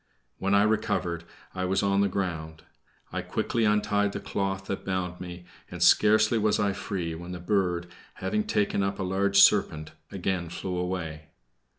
When I recovered, I was on the ground. I quickly untied the cloth that bound me, and scarcely was I free when the bird, having taken up a large serpent, again flew away.